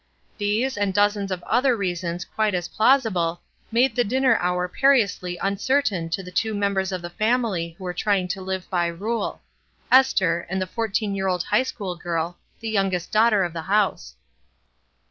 These, and dozens of other reasons quite as plausible, made the dinner hour perilously un certain to the two members of the family who were trying to live by rule, Esther and the fourteen year old high school girl, the youngest daughter of the house.